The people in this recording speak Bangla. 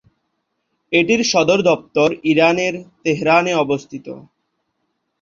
এটির সদরদপ্তর ইরানের, তেহরানে অবস্থিত।